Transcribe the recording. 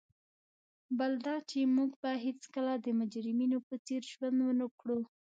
بل دا چي موږ به هیڅکله د مجرمینو په څېر ژوند ونه کړو.